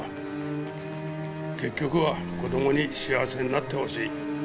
結局は子供に幸せになってほしい。